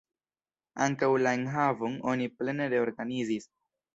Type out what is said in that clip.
Ankaŭ la enhavon oni plene reorganizis.